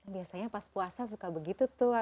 biasanya pas puasa suka begitu tuh